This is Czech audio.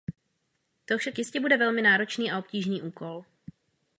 To však jistě bude velmi náročný a obtížný úkol.